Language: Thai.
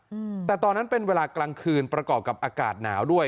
อืมแต่ตอนนั้นเป็นเวลากลางคืนประกอบกับอากาศหนาวด้วย